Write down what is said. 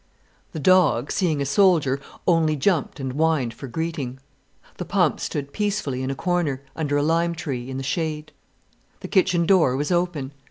The dog, seeing a soldier, only jumped and whined for greeting. The pump stood peacefully in a corner, under a lime tree, in the shade. The kitchen door was open.